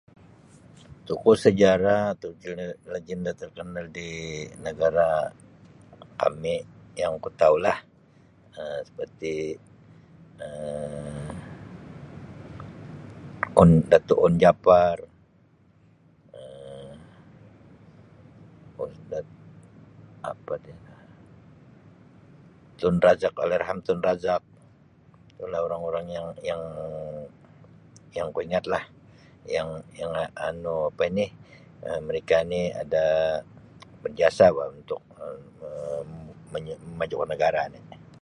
Tokoh sejarah atau [unintelligible] lagenda terkenal di negara kami yang ku tau lah Um seperti Um On- Dato' Onn Jaafar, Um [unintelligible] apa ni Tun Razak, Allahyarham Tun Razak, tulah orang-orang yang-yang ku ingatlah. Yang-yang anu apa ini Um mereka ni ada berjasa bah untuk Um menyu-memajukan negara ini.